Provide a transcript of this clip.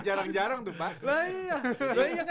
jarang jarang tuh pak